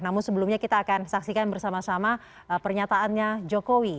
namun sebelumnya kita akan saksikan bersama sama pernyataannya jokowi